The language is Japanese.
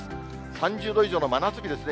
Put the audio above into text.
３０度以上の真夏日ですね。